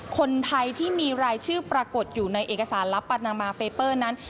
คนไทยที่มีรายชื่อปรากฏอยู่ในเอกสารลับปานามาเฟเปอร์นั้น